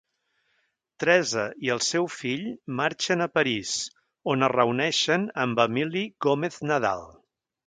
Teresa i el seu fill marxen a París on es reuneixen amb Emili Gómez Nadal.